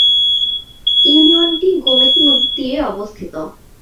ইউনিয়নটি গোমতী নদীর তীরে অবস্থিত।